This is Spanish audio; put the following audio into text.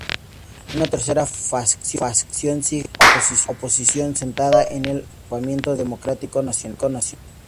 Una tercera facción sigue en la oposición, sentada en el Reagrupamiento Democrático Nacional.